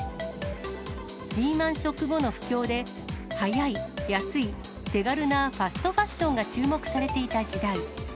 リーマンショック後の不況で、速い、安い、手軽なファストファッションが注目されていた時代。